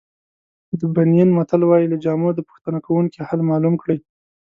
د بنین متل وایي له جامو د پوښتنه کوونکي حال معلوم کړئ.